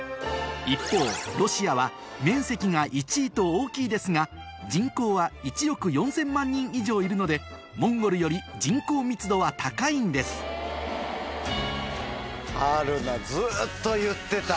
一方ロシアは面積が１位と大きいですが人口は１億４０００万人以上いるのでモンゴルより人口密度は高いんです春菜。